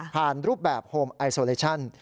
รูปแบบโฮมไอโซเลชั่น